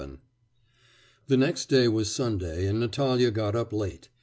VII The next day was Sunday, and Natalya got up late.